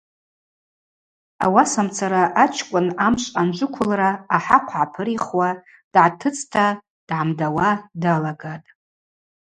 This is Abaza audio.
Ауасамцара ачкӏвын амшв анджвыквылра ахӏахъв гӏапырихуа, дгӏатыцӏта дгӏамдауа далагатӏ.